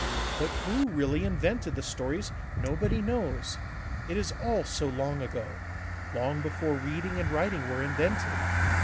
But who really invented the stories nobody knows; it is all so long ago, long before reading and writing were invented.